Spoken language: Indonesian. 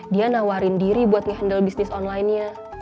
dia nawarin diri buat ngehandle bisnis onlinenya